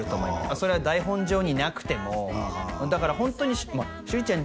それは台本上になくてもだからホントにまあ趣里ちゃん